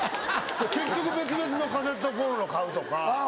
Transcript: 結局別々のカセットコンロ買うとか。